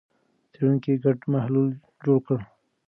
څېړونکو ګډ محلول جوړ کړ.